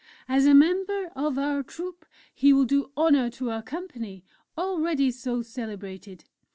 As a member of our Troupe, he will do honour to our Company, already so celebrated.